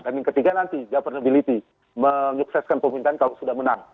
dan yang ketiga nanti governability menyukseskan pemerintahan kalau sudah menang